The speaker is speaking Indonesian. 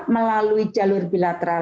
melalui jalur bilateral